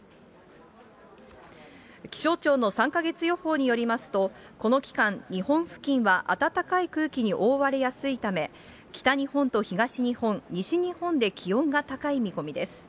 気象庁の３か月予報によりますと、この期間、日本付近は暖かい空気に覆われやすいため、北日本と東日本、西日本で気温が高い見込みです。